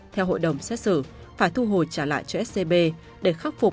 theo hội đồng xét xử